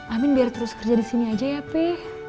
amin biar terus kerja di sini aja ya p